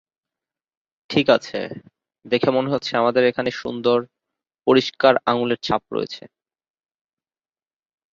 ঠিক আছে, দেখে মনে হচ্ছে আমাদের এখানে সুন্দর, পরিষ্কার আঙুলের ছাপ রয়েছে।